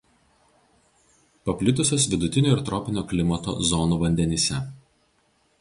Paplitusios vidutinio ir tropinio klimato zonų vandenyse.